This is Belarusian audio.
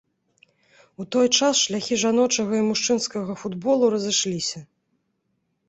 У той час шляхі жаночага і мужчынскага футболу разышліся.